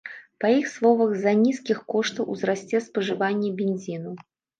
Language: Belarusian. Па іх словах, з-за нізкіх коштаў узрасце спажыванне бензіну.